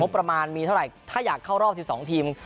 ประมาณมีเท่าไหร่ถ้าอยากเข้ารอบ๑๒ทีม